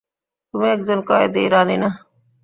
তুমি একজন কয়েদী, রানী না।